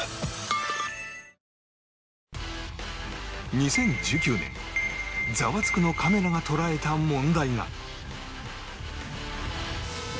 ２０１９年『ザワつく！』のカメラが捉えた問題が